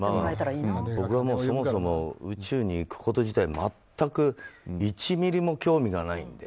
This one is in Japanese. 僕はそもそも宇宙に行くこと自体、全く１ｍｍも興味がないので。